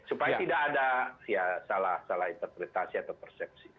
supaya tidak ada salah interpretasi atau persepsi